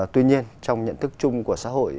tuy nhiên trong nhận thức chung của xã hội